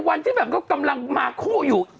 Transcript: ในวันแบบว่าพวกเรากำลังมาคู่อยู่